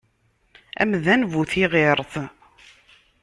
Amdan bu tiɣiṛt.